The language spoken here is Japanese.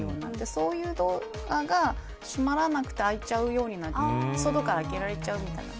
そういうドアが閉まらないで開いちゃうようになってて外から開けられちゃうみたいな。